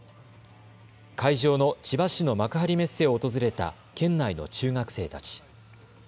会場の千葉市の幕張メッセを訪れた県内の中学生たち。